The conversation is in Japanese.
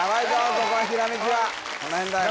ここはひらめきはこのへんだよ